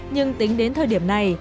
nhưng tính đến thời điểm này